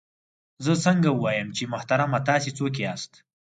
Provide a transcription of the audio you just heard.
زه څنګه ووایم چې محترمه تاسې څوک یاست؟